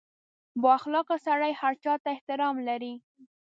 • بااخلاقه سړی هر چا ته احترام لري.